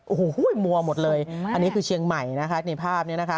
โอ้โหมัวหมดเลยอันนี้คือเชียงใหม่นะคะในภาพนี้นะคะ